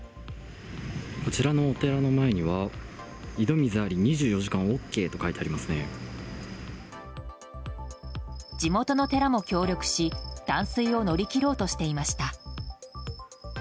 こちらのお寺の前には井戸水あり２４時間ＯＫと地元の寺も協力し断水を乗り切ろうとしていました。